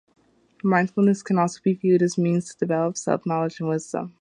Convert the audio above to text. Mindfulness can also be viewed as a means to develop self-knowledge and wisdom.